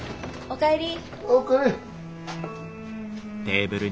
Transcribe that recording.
お帰り。